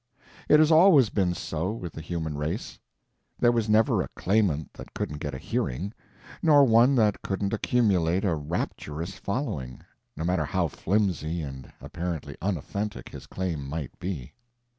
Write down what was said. It has always been so with the human race. There was never a Claimant that couldn't get a hearing, nor one that couldn't accumulate a rapturous following, no matter how flimsy and apparently unauthentic his claim might be.